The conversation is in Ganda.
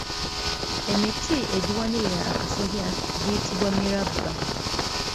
Emiti egiwanirira akasolya giyitibwa Mirabba.